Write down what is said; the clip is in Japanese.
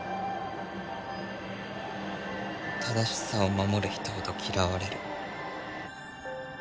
正しさを守る人ほど嫌われる。